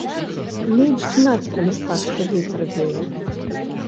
Ледзь знаць па лістах, што вецер вее.